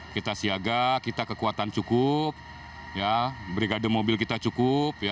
kita siaga kita kekuatan cukup brigade mobil kita cukup